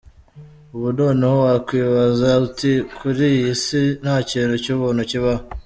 Ubu noneho wakwibaza uti "Kuri iyi si ntakintu cy'ubuntu kibaho".